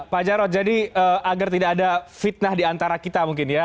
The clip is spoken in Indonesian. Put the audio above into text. pak jarod jadi agar tidak ada fitnah diantara kita mungkin ya